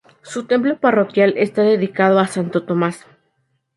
Su templo parroquial está dedicado a Santo Tomás.